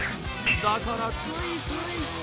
だからついつい。